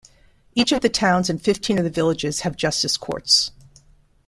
Each of the towns and fifteen of the villages have Justice Courts.